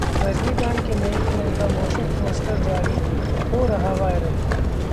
रजनीकांत की नई फिल्म का मोशन पोस्टर जारी, हो रहा वायरल